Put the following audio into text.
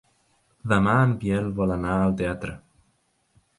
Demà en Biel vol anar al teatre.